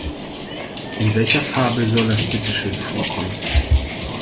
In welcher Fabel soll das bitte schön vorkommen?